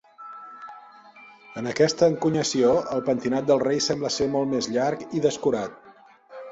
En aquesta encunyació, el pentinat del rei sembla ser molt més llarg i descurat.